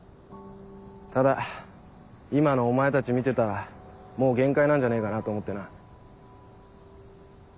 ただ今のお前たち見てたらもう限界なんじゃねえかなと思ってな。